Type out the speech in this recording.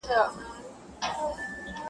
ولیکه اسمانه د زمان حماسه ولیکه-